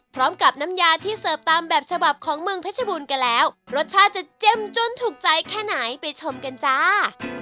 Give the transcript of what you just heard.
พร้อมกับน้ำยาที่เสิร์ฟตามแบบฉบับของเมืองเพชรบูรณ์กันแล้วรสชาติจะเจ้มจนถูกใจแค่ไหนไปชมกันจ้า